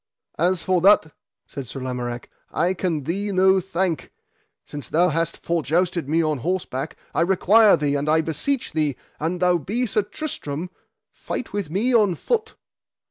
As for that, said Sir Lamorak, I can thee no thank; since thou hast for jousted me on horseback I require thee and I beseech thee, an thou be Sir Tristram, fight with me on foot.